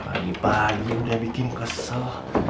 pagi pagi udah bikin kesel